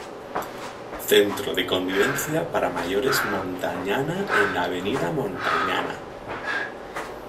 Centro de Convivencia para Mayores Montañana en la avenida Montañana.